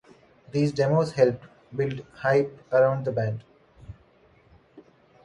These demos helped build hype around the band.